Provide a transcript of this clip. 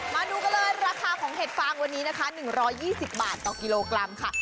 มาดูกันเลยราคาของเห็ดฟางวันนี้นะคะ๑๒๐บาทต่อกิโลกรัมค่ะ